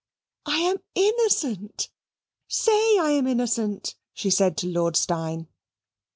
"I am innocent. Say I am innocent," she said to Lord Steyne.